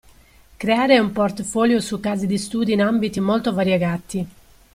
Creare un portfolio su casi di studi in ambiti molto variegati.